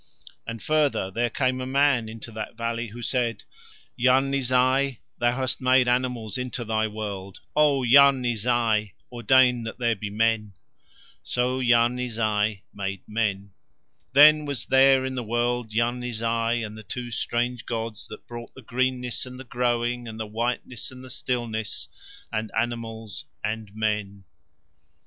And further there came a man into that valley who said: "Yarni Zai, thou hast made animals into thy world. O Yarni Zai, ordain that there be men." So Yarni Zai made men. Then was there in the world Yarni Zai, and two strange gods that brought the greenness and the growing and the whiteness and the stillness, and animals and men.